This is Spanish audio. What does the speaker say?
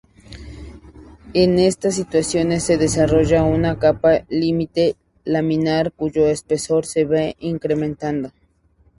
En estas situaciones se desarrolla una capa límite laminar cuyo espesor se va incrementando.